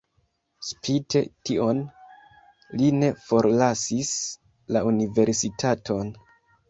Spite tion li ne forlasis la universitaton.